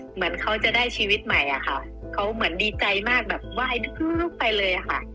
เหมือนเขาจะได้ชีวิตใหม่อะค่ะเขาเหมือนดีใจมากแบบไหว้ครูไปเลยค่ะ